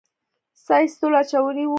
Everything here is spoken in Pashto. ساه ایستلو اچولي وو.